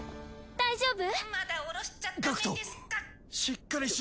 大丈夫？